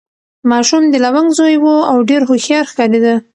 ماشوم د لونګ زوی و او ډېر هوښیار ښکارېده.